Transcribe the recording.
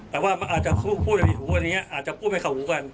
แต่พูดชอบอีกยิ๊วอันนี้อาจจะพูดไม่เข่าหูกัน